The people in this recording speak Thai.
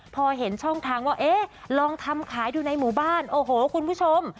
พอเห็นช่องทางว่าเอ๊ะลองทำขายดูในหมู่บ้านโอ้โหคุณผู้ชม